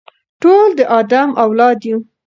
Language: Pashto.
ټول د آدم اولاد یو.